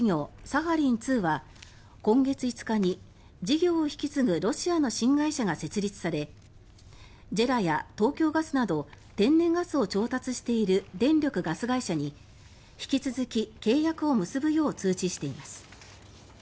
サハリン２は今月５日に事業を引き継ぐロシアの新会社が設立されＪＥＲＡや東京ガスなど天然ガスを調達している電力・ガス会社に引き続き契約を結ぶよう通知しています。